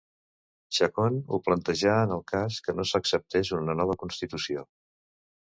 Chacón ho plantejà en el cas que no s'acceptés una nova Constitució.